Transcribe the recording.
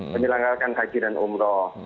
penyelenggaraan haji dan umroh